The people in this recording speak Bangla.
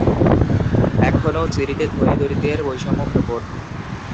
এখনও চিলিতে ধনী-দরিদ্রের বৈষম্য প্রকট।